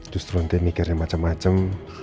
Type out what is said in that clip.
justru nanti nikirnya macem macem